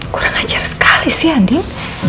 kurang ajar sekali sih adik